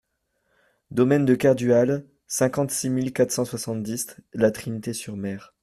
Domaine de Kerdual, cinquante-six mille quatre cent soixante-dix La Trinité-sur-Mer